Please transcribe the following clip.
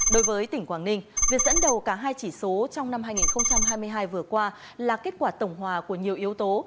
đối với tỉnh quảng ninh việc dẫn đầu cả hai chỉ số trong năm hai nghìn hai mươi hai vừa qua là kết quả tổng hòa của nhiều yếu tố